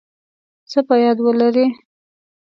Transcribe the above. څه په یاد ولرئ